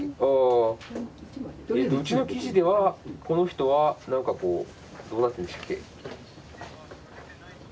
うちの記事ではこの人は何かこうどうなってるんでしたっけ？